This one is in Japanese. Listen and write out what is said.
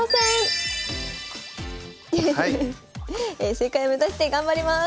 正解目指して頑張ります。